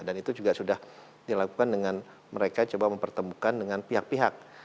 dan itu juga sudah dilakukan dengan mereka coba mempertemukan dengan pihak pihak